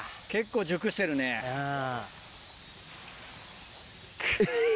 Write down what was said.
うん。